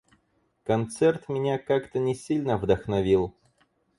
Концерт меня как-то не сильно вдохновил.